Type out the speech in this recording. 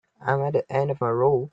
I'm at the end of my rope.